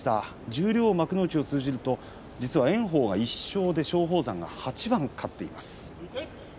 十両幕内を通じると炎鵬は１勝で松鳳山が８番勝っています。